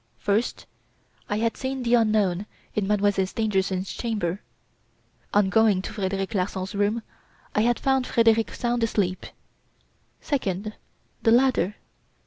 "1st. I had seen the unknown in Mademoiselle Stangerson's chamber. On going to Frederic Larsan's room, I had found Larsan sound asleep. "2nd. The ladder.